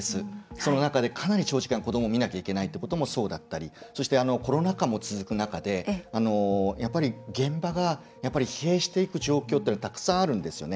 その中で、かなり長時間子どもを見なきゃいけないってこともそうだったりそして、コロナ禍も続く中でやっぱり現場が疲弊していく状況というのはたくさんあるんですよね。